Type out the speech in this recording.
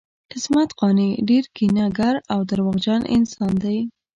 عصمت قانع ډیر کینه ګر او درواغجن انسان دی